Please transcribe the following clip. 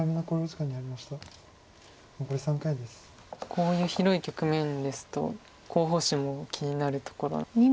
こういう広い局面ですと候補手も気になるところ。